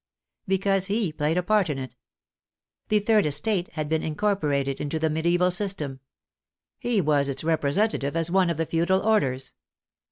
Because he played a part in it. The " third estate " had been incorporated into the me dieval system. He was its representative as one of the feudal orders.